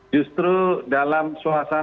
justru dalam suasana makna lebaran